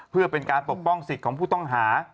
เพื่อเป็นการปกป้องสิทธิ์ของผู้ต้องหา